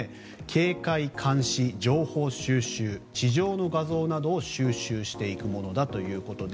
警官監視、情報収集地上の画像などを収集していくものだということで。